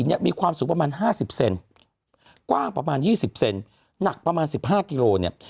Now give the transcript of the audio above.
เนี่ยมีความสูงประมาณ๕๐เซนกว้างประมาณ๒๐เซนหนักประมาณ๑๕กิโลเนี่ย